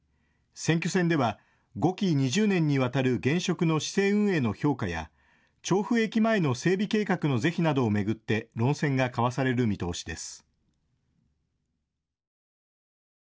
選挙戦では５期２０年にわたる現職の市政運営の評価や調布駅前の整備計画の是非などを巡って論戦が交わされる見通しです。